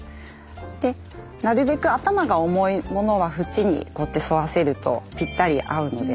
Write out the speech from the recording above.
でなるべく頭が重いモノは縁にこうやって沿わせるとぴったり合うので。